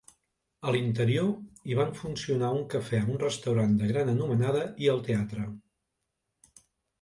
A l'interior hi van funcionar un cafè, un restaurant de gran anomenada i el teatre.